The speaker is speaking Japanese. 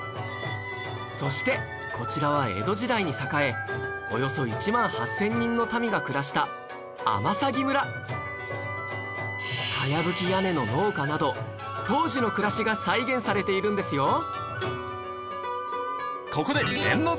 そしてこちらは江戸時代に栄えおよそ１万８０００人の民が暮らした茅葺屋根の農家など当時の暮らしが再現されているんですよここで。